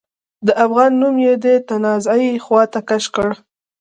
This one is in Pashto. د افغان نوم يې د تنازعې خواته کش کړ.